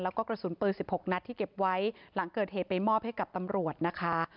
แล้วก็กระสุนปืน๑๖นัดที่เก็บไว้หลังเกิดเหตุไปมอบให้กับตำรวจนะคะ